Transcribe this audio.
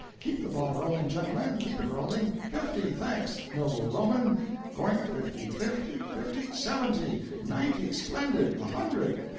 Keep the ball rolling, gentlemen, keep it rolling! fifty! thanks, noble Roman! going at fifty, fifty, fifty! seventy! ninety! splendid! a hundred!